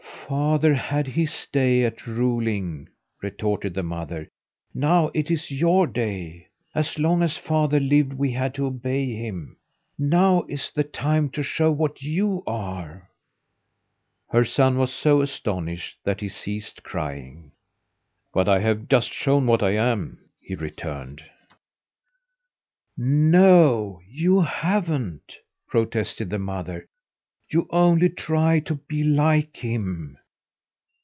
"Father had his day at ruling," retorted the mother. "Now it is your day. As long as father lived we had to obey him. Now is the time to show what you are." Her son was so astonished that he ceased crying. "But I have just shown what I am!" he returned. "No, you haven't," protested the mother. "You only try to be like him.